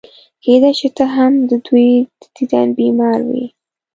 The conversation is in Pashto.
کېدای شي ته هم د دوی د دیدن بیماره وې.